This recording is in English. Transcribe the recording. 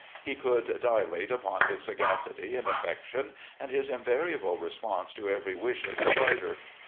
He could dilate upon his sagacity and affec tion, and his invariable response to every wish of his rider.